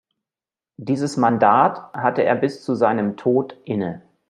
Dieses Mandat hatte er bis zu seinem Tod inne.